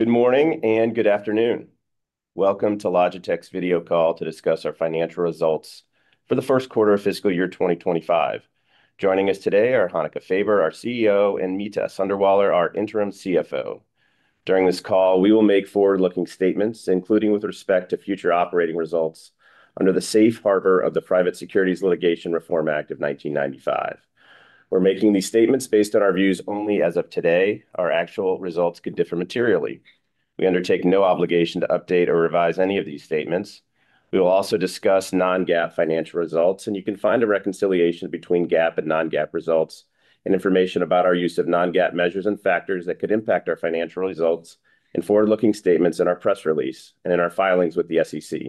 Good morning, and good afternoon. Welcome to Logitech's video call to discuss our financial results for the first quarter of fiscal year 2025. Joining us today are Hanneke Faber, our CEO, and Meeta Sunderwala, our interim CFO. During this call, we will make forward-looking statements, including with respect to future operating results, under the safe harbor of the Private Securities Litigation Reform Act of 1995. We're making these statements based on our views only as of today. Our actual results could differ materially. We undertake no obligation to update or revise any of these statements. We will also discuss non-GAAP financial results, and you can find a reconciliation between GAAP and non-GAAP results and information about our use of non-GAAP measures and factors that could impact our financial results and forward-looking statements in our press release and in our filings with the SEC.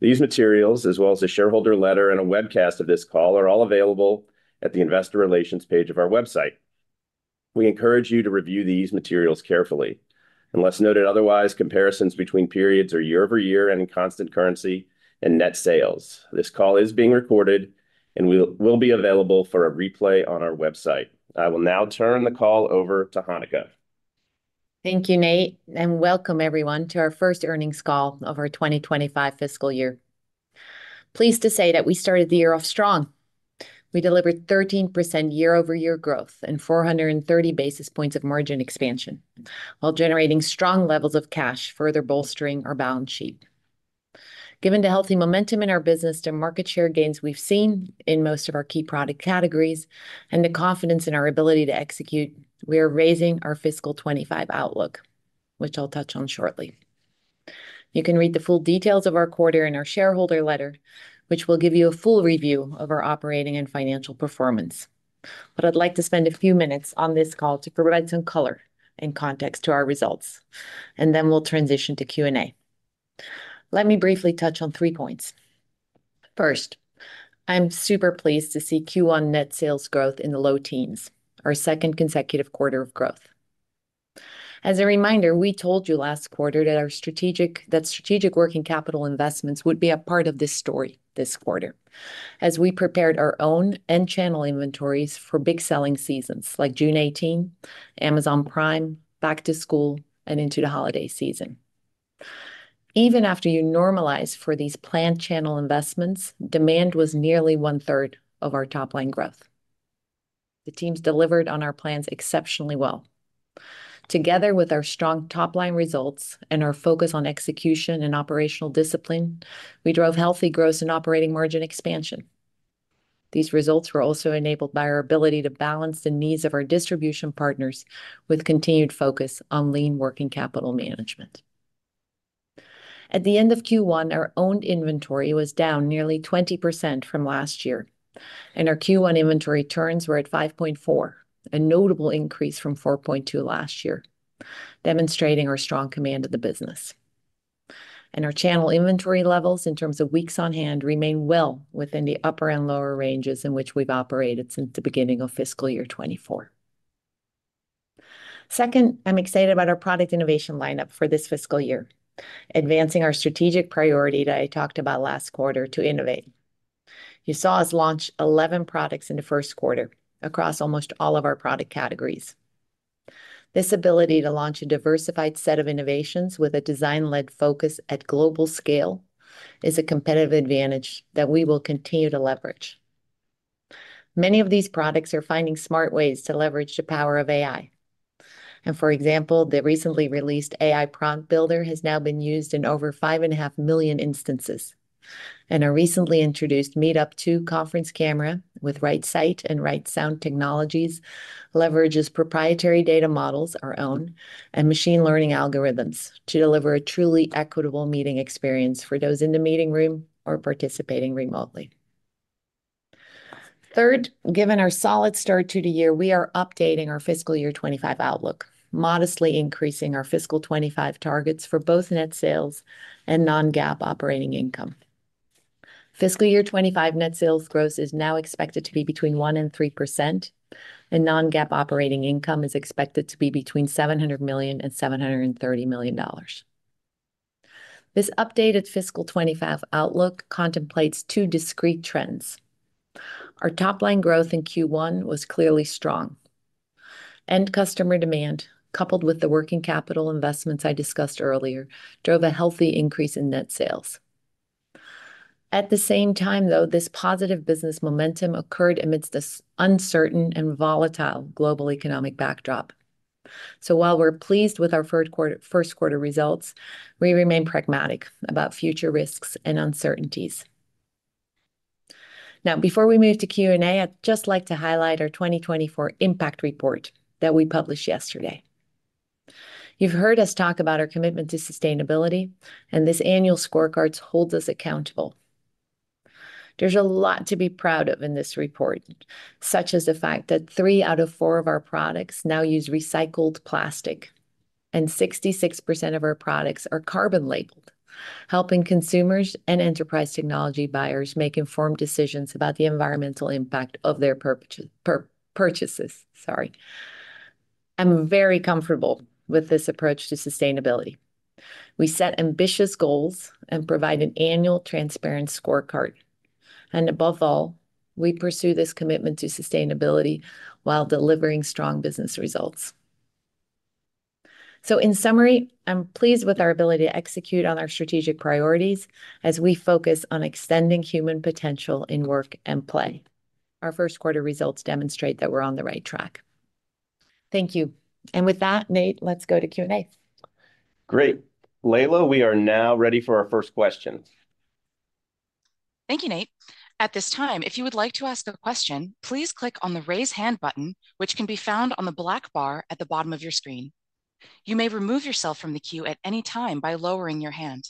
These materials, as well as a shareholder letter and a webcast of this call, are all available at the Investor Relations page of our website. We encourage you to review these materials carefully. Unless noted otherwise, comparisons between periods are year-over-year and in constant currency and net sales. This call is being recorded and will be available for a replay on our website. I will now turn the call over to Hanneke. Thank you, Nate, and welcome, everyone, to our first earnings call of our 2025 fiscal year. Pleased to say that we started the year off strong. We delivered 13% year-over-year growth and 430 basis points of margin expansion, while generating strong levels of cash, further bolstering our balance sheet. Given the healthy momentum in our business to market share gains we've seen in most of our key product categories and the confidence in our ability to execute, we are raising our fiscal 2025 outlook, which I'll touch on shortly. You can read the full details of our quarter in our shareholder letter, which will give you a full review of our operating and financial performance. But I'd like to spend a few minutes on this call to provide some color and context to our results, and then we'll transition to Q&A. Let me briefly touch on three points. First, I'm super pleased to see Q1 net sales growth in the low teens, our second consecutive quarter of growth. As a reminder, we told you last quarter that our strategic working capital investments would be a part of this story this quarter, as we prepared our own and channel inventories for big selling seasons like June 18, Amazon Prime, back to school, and into the holiday season. Even after you normalize for these planned channel investments, demand was nearly one-third of our top line growth. The teams delivered on our plans exceptionally well. Together with our strong top-line results and our focus on execution and operational discipline, we drove healthy growth and operating margin expansion. These results were also enabled by our ability to balance the needs of our distribution partners with continued focus on lean working capital management. At the end of Q1, our owned inventory was down nearly 20% from last year, and our Q1 inventory turns were at 5.4, a notable increase from 4.2 last year, demonstrating our strong command of the business. Our channel inventory levels, in terms of weeks on hand, remain well within the upper and lower ranges in which we've operated since the beginning of fiscal year 2024. Second, I'm excited about our product innovation lineup for this fiscal year, advancing our strategic priority that I talked about last quarter to innovate. You saw us launch 11 products in the first quarter across almost all of our product categories. This ability to launch a diversified set of innovations with a design-led focus at global scale is a competitive advantage that we will continue to leverage. Many of these products are finding smart ways to leverage the power of AI. For example, the recently released AI Prompt Builder has now been used in over 5.5 million instances. Our recently introduced MeetUp 2 conference camera with RightSight and RightSound technologies leverages proprietary data models, our own, and machine learning algorithms to deliver a truly equitable meeting experience for those in the meeting room or participating remotely. Third, given our solid start to the year, we are updating our fiscal year 2025 outlook, modestly increasing our fiscal 2025 targets for both net sales and non-GAAP operating income. Fiscal year 2025 net sales growth is now expected to be between 1% and 3%, and non-GAAP operating income is expected to be between $700 million and $730 million. This updated fiscal 2025 outlook contemplates two discrete trends. Our top-line growth in Q1 was clearly strong. End customer demand, coupled with the working capital investments I discussed earlier, drove a healthy increase in net sales. At the same time, though, this positive business momentum occurred amidst this uncertain and volatile global economic backdrop. So while we're pleased with our third quarter-first quarter results, we remain pragmatic about future risks and uncertainties. Now, before we move to Q&A, I'd just like to highlight our 2024 impact report that we published yesterday. You've heard us talk about our commitment to sustainability, and this annual scorecard holds us accountable. There's a lot to be proud of in this report, such as the fact that three out of four of our products now use recycled plastic, and 66% of our products are carbon labeled, helping consumers and enterprise technology buyers make informed decisions about the environmental impact of their purchases. Sorry. I'm very comfortable with this approach to sustainability. We set ambitious goals and provide an annual transparent scorecard. And above all, we pursue this commitment to sustainability while delivering strong business results. So in summary, I'm pleased with our ability to execute on our strategic priorities as we focus on extending human potential in work and play. Our first quarter results demonstrate that we're on the right track. Thank you. And with that, Nate, let's go to Q&A. Great! Layla, we are now ready for our first question. Thank you, Nate. At this time, if you would like to ask a question, please click on the Raise Hand button, which can be found on the black bar at the bottom of your screen. You may remove yourself from the queue at any time by lowering your hand.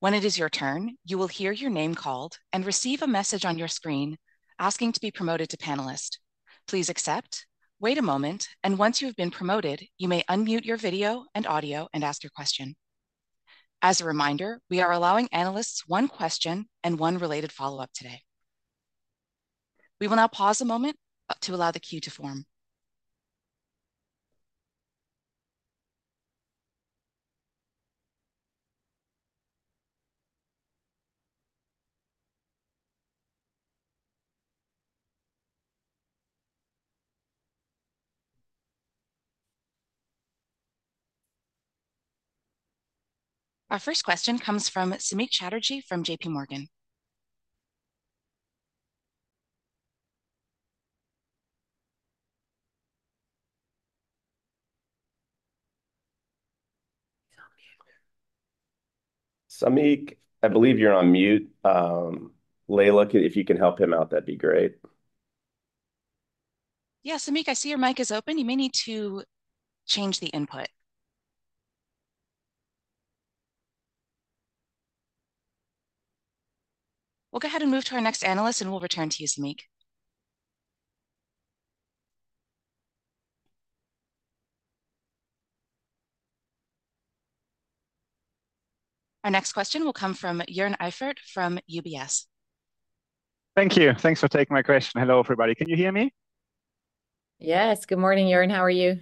When it is your turn, you will hear your name called and receive a message on your screen asking to be promoted to panelist. Please accept, wait a moment, and once you've been promoted, you may unmute your video and audio and ask your question. As a reminder, we are allowing analysts one question and one related follow-up today. We will now pause a moment to allow the queue to form. Our first question comes from Samik Chatterjee from JPMorgan. Samik, I believe you're on mute. Layla, if you can help him out, that'd be great. Yeah, Samik, I see your mic is open. You may need to change the input. We'll go ahead and move to our next analyst, and we'll return to you, Samik. Our next question will come from Joern Eifert from UBS. Thank you. Thanks for taking my question. Hello, everybody. Can you hear me? Yes. Good morning, Joern. How are you?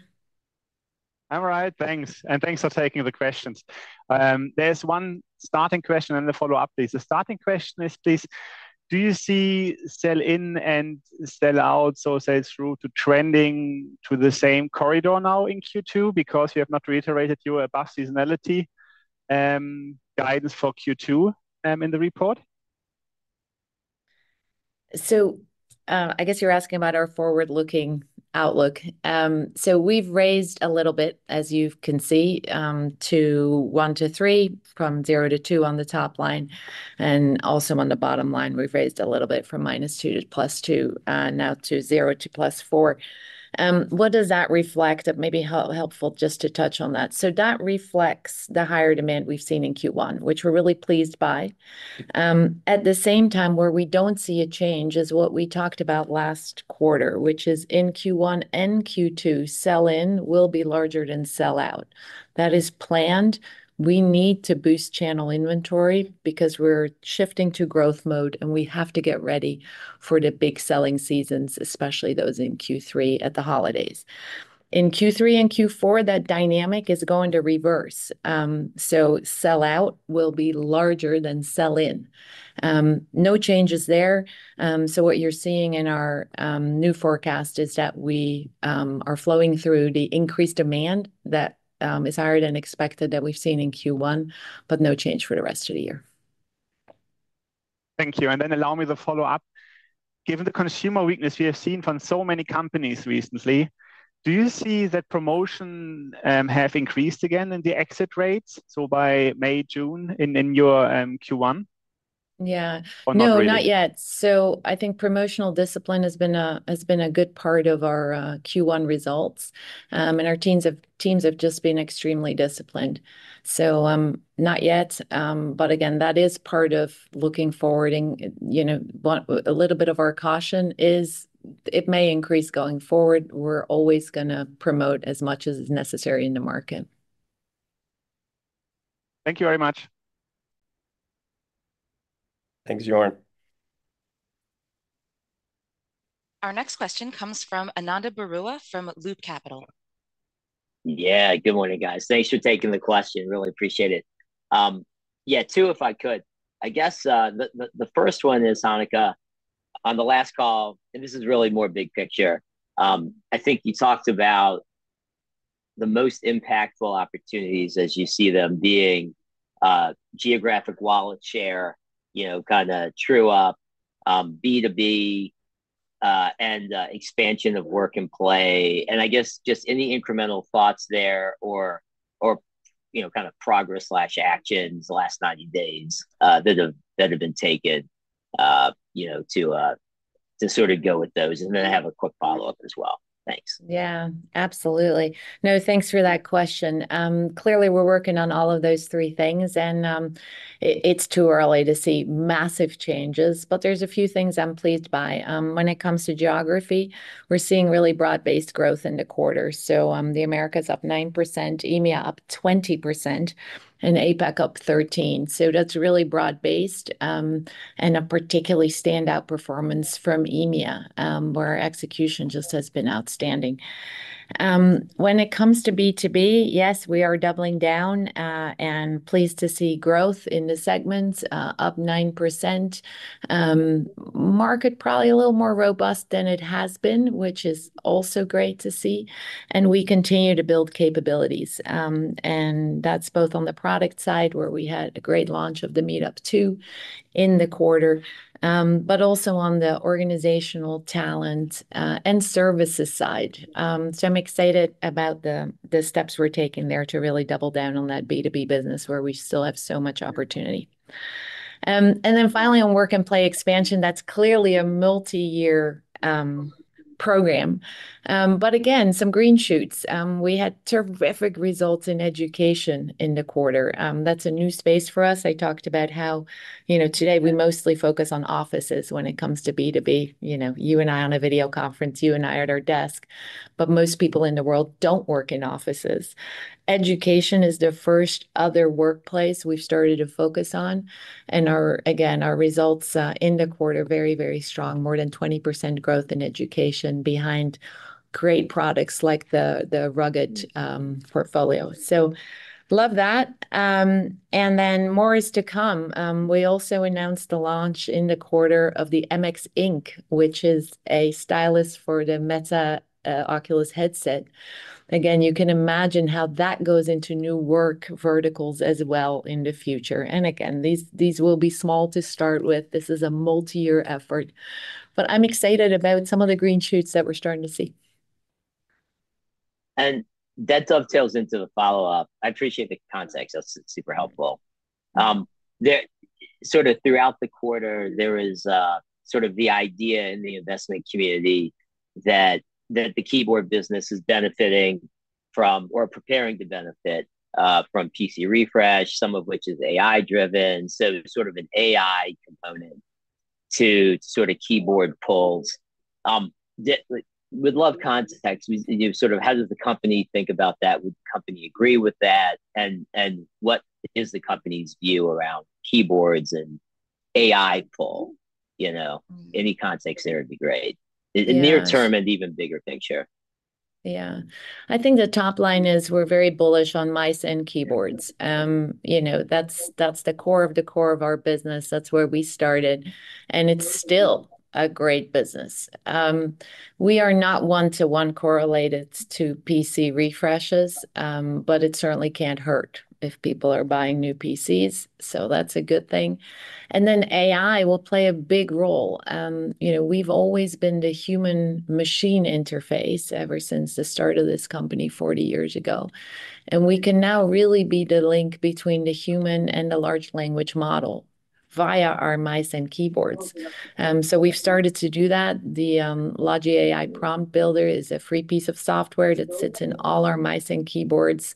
I'm all right, thanks, and thanks for taking the questions. There's one starting question, and then a follow-up, please. The starting question is, please, do you see sell in and sell out, so say, through to trending to the same corridor now in Q2? Because you have not reiterated your above seasonality, guidance for Q2, in the report. So, I guess you're asking about our forward-looking outlook. So we've raised a little bit, as you can see, to 1-3, from 0-2 on the top line, and also on the bottom line, we've raised a little bit from -2 to +2, now to 0 to +4. What does that reflect? It may be helpful just to touch on that. So that reflects the higher demand we've seen in Q1, which we're really pleased by. At the same time, where we don't see a change is what we talked about last quarter, which is in Q1 and Q2, sell in will be larger than sell out. That is planned. We need to boost channel inventory because we're shifting to growth mode, and we have to get ready for the big selling seasons, especially those in Q3 at the holidays. In Q3 and Q4, that dynamic is going to reverse. So sell out will be larger than sell in. No changes there. So what you're seeing in our new forecast is that we are flowing through the increased demand that is higher than expected that we've seen in Q1, but no change for the rest of the year. Thank you. Then allow me to follow up. Given the consumer weakness we have seen from so many companies recently, do you see that promotion have increased again in the exit rates, so by May, June, in your Q1? Yeah. Or not really? No, not yet. So I think promotional discipline has been a good part of our Q1 results. And our teams have just been extremely disciplined. So, not yet, but again, that is part of looking forward, and, you know, a little bit of our caution is it may increase going forward. We're always gonna promote as much as is necessary in the market. Thank you very much. Thanks, Joern. Our next question comes from Ananda Baruah from Loop Capital. Yeah, good morning, guys. Thanks for taking the question. Really appreciate it. Yeah, 2, if I could. I guess the first one is, Hanneke, on the last call, and this is really more big picture. I think you talked about the most impactful opportunities as you see them being geographic wallet share, you know, kinda true up, B2B, and expansion of work and play. And I guess just any incremental thoughts there or, you know, kind of progress/actions the last 90 days that have been taken, you know, to sort of go with those. And then I have a quick follow-up as well. Thanks. Yeah, absolutely. No, thanks for that question. Clearly, we're working on all of those three things, and it's too early to see massive changes, but there's a few things I'm pleased by. When it comes to geography, we're seeing really broad-based growth in the quarter. So, the Americas up 9%, EMEA up 20%, and APAC up 13%. So that's really broad-based, and a particularly standout performance from EMEA, where our execution just has been outstanding. When it comes to B2B, yes, we are doubling down, and pleased to see growth in the segments, up 9%. Market probably a little more robust than it has been, which is also great to see, and we continue to build capabilities. And that's both on the product side, where we had a great launch of the MeetUp 2 in the quarter, but also on the organizational talent and services side. So I'm excited about the steps we're taking there to really double down on that B2B business, where we still have so much opportunity. And then finally, on work and play expansion, that's clearly a multi-year program. But again, some green shoots. We had terrific results in education in the quarter. That's a new space for us. I talked about how, you know, today we mostly focus on offices when it comes to B2B. You know, you and I on a video conference, you and I at our desk, but most people in the world don't work in offices. Education is the first other workplace we've started to focus on, and our again, our results in the quarter, very, very strong. More than 20% growth in education behind great products like the rugged portfolio. So love that. And then more is to come. We also announced the launch in the quarter of the MX Ink, which is a stylus for the Meta Oculus headset. Again, you can imagine how that goes into new work verticals as well in the future. And again, these will be small to start with. This is a multi-year effort, but I'm excited about some of the green shoots that we're starting to see. That dovetails into the follow-up. I appreciate the context. That's super helpful. The sort of throughout the quarter, there is sort of the idea in the investment community that the keyboard business is benefiting from or preparing to benefit from PC refresh, some of which is AI-driven, so sort of an AI component to sort of keyboard pulls. We'd love context. We sort of how does the company think about that? Would the company agree with that? And what is the company's view around keyboards and AI pull, you know? Mm. Any context there would be great. Yeah. In near term and even bigger picture. Yeah. I think the top line is we're very bullish on mice and keyboards. You know, that's, that's the core of the core of our business. That's where we started, and it's still a great business. We are not 1-to-1 correlated to PC refreshes, but it certainly can't hurt if people are buying new PCs, so that's a good thing. And then AI will play a big role. You know, we've always been the human-machine interface ever since the start of this company 40 years ago, and we can now really be the link between the human and the large language model via our mice and keyboards. So we've started to do that. The Logi AI Prompt Builder is a free piece of software that sits in all our mice and keyboards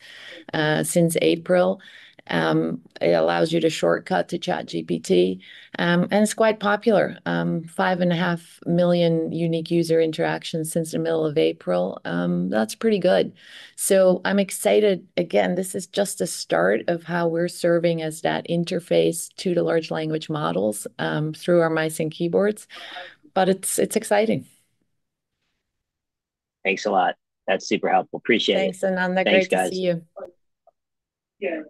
since April. It allows you to shortcut to ChatGPT, and it's quite popular. 5.5 million unique user interactions since the middle of April. That's pretty good. So I'm excited. Again, this is just a start of how we're serving as that interface to the large language models, through our mice and keyboards, but it's exciting. Thanks a lot. That's super helpful. Appreciate it. Thanks, Ananda. Thanks, guys. Great to see you. Yeah.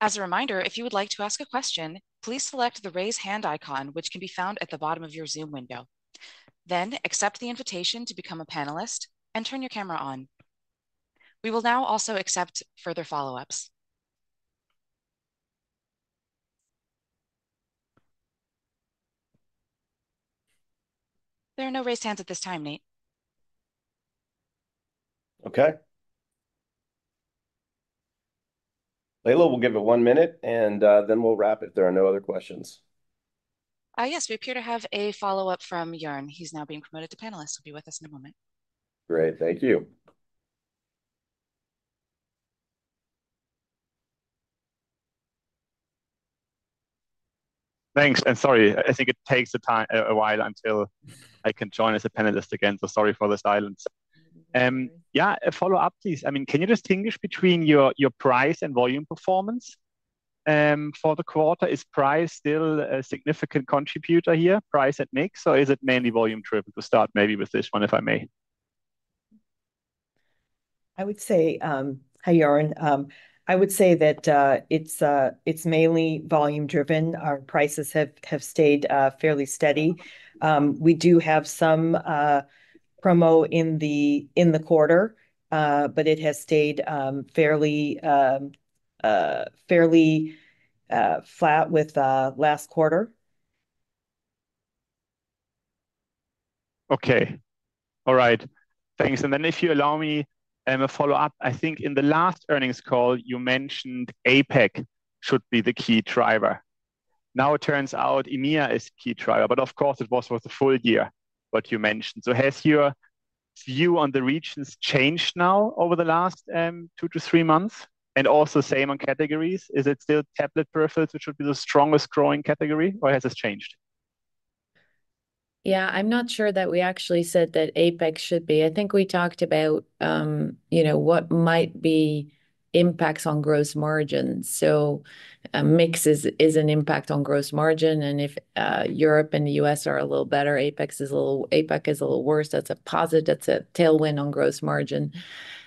As a reminder, if you would like to ask a question, please select the Raise Hand icon, which can be found at the bottom of your Zoom window. Then accept the invitation to become a panelist and turn your camera on. We will now also accept further follow-ups. There are no raised hands at this time, Nate. Okay. Layla, we'll give it one minute, and then we'll wrap if there are no other questions. Yes, we appear to have a follow-up from Joern. He's now being promoted to panelist. He'll be with us in a moment. Great. Thank you. Thanks, and sorry, I think it takes a while until I can join as a panelist again, so sorry for the silence. Yeah, a follow-up, please. I mean, can you distinguish between your price and volume performance for the quarter? Is price still a significant contributor here, price at mix, or is it mainly volume driven? To start maybe with this one, if I may. I would say, Hi, Joern. I would say that it's mainly volume driven. Our prices have stayed fairly steady. We do have some promo in the quarter, but it has stayed fairly flat with last quarter. Okay. All right, thanks. And then if you allow me, a follow-up, I think in the last earnings call, you mentioned APAC should be the key driver. Now, it turns out EMEA is key driver, but of course, it was for the full year what you mentioned. So has your view on the regions changed now over the last, two to three months? And also same on categories. Is it still tablet peripherals, which would be the strongest growing category, or has this changed?... Yeah, I'm not sure that we actually said that APAC should be. I think we talked about, you know, what might be impacts on gross margins. So, mix is an impact on gross margin, and if, Europe and the US are a little better, APAC is a little worse, that's a tailwind on gross margin.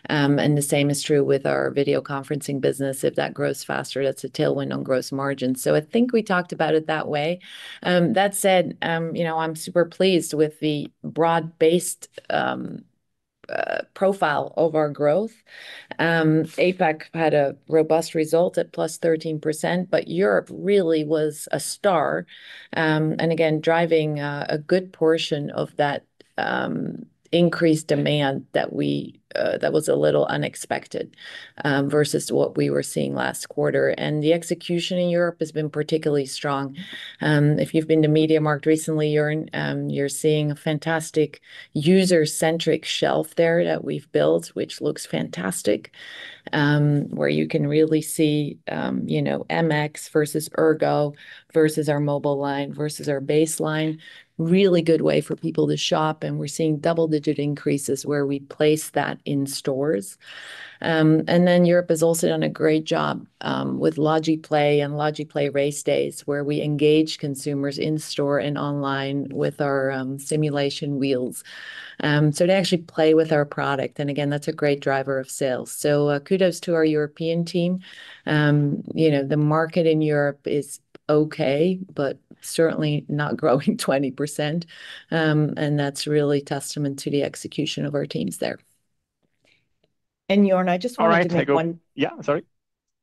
And the same is true with our video conferencing business. If that grows faster, that's a tailwind on gross margin. So I think we talked about it that way. That said, you know, I'm super pleased with the broad-based profile of our growth. APAC had a robust result at +13%, but Europe really was a star, and again, driving a good portion of that increased demand that was a little unexpected versus what we were seeing last quarter. The execution in Europe has been particularly strong. If you've been to MediaMarkt recently, you're seeing a fantastic user-centric shelf there that we've built, which looks fantastic, where you can really see, you know, MX versus Ergo versus our mobile line versus our baseline. Really good way for people to shop, and we're seeing double-digit increases where we place that in stores. And then Europe has also done a great job with Logi PLAY and Logi PLAY Race Days, where we engage consumers in store and online with our simulation wheels. They actually play with our product, and again, that's a great driver of sales. Kudos to our European team. You know, the market in Europe is okay, but certainly not growing 20%. That's really testament to the execution of our teams there. Joern, I just wanted to make one- All right... Yeah, sorry.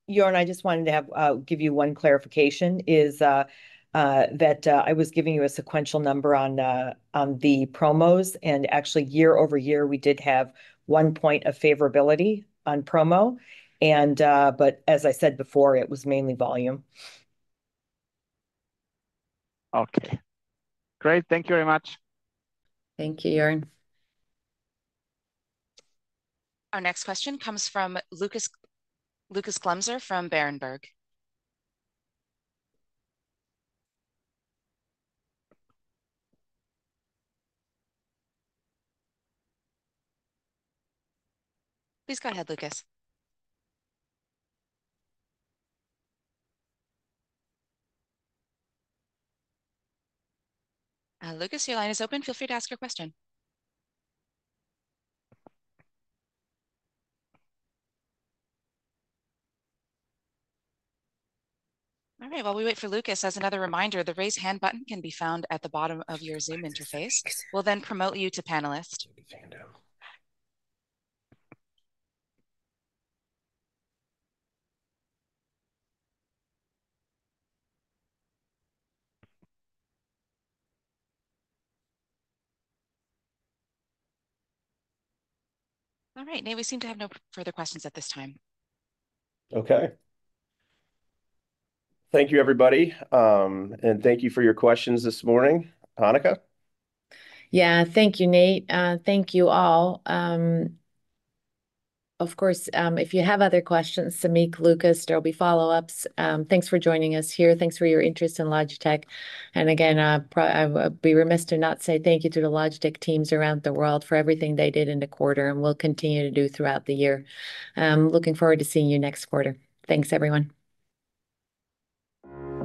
Joern, I just wanted to give you one clarification, that I was giving you a sequential number on the promos, and actually, year-over-year, we did have one point of favorability on promo. But as I said before, it was mainly volume. Okay. Great, thank you very much. Thank you, Joern. Our next question comes from Lukas, Lukas Daul from Berenberg. Please go ahead, Lukas. Lukas, your line is open. Feel free to ask your question. All right, while we wait for Lukas, as another reminder, the Raise Hand button can be found at the bottom of your Zoom interface. We'll then promote you to panelist. All right. Nate, we seem to have no further questions at this time. Okay. Thank you, everybody, and thank you for your questions this morning. Tanja? Yeah. Thank you, Nate. Thank you, all. Of course, if you have other questions, Samik, Lukas, there will be follow-ups. Thanks for joining us here. Thanks for your interest in Logitech. And again, I'd be remiss to not say thank you to the Logitech teams around the world for everything they did in the quarter and will continue to do throughout the year. I'm looking forward to seeing you next quarter. Thanks, everyone.